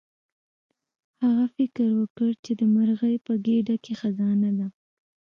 هغه فکر وکړ چې د مرغۍ په ګیډه کې خزانه ده.